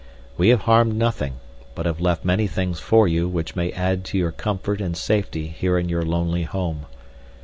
We have harmed nothing, but have left many things for you which may add to your comfort and safety here in your lonely home.